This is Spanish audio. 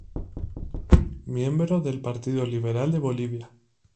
Miembro del Partido Liberal de Bolivia.